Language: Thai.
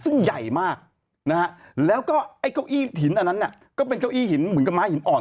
ซึ่งใหญ่มากนะฮะแล้วก็ไอ้เก้าอี้หินอันนั้นน่ะก็เป็นเก้าอี้หินเหมือนกับม้าหินอ่อน